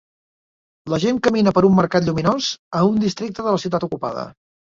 La gent camina per un mercat lluminós en un districte de la ciutat ocupada